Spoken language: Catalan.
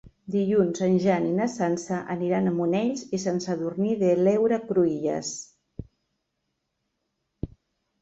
Dilluns en Jan i na Sança aniran a Monells i Sant Sadurní de l'Heura Cruïlles.